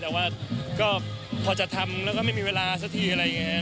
แต่ว่าก็พอจะทำแล้วก็ไม่มีเวลาสักทีอะไรอย่างนี้ครับ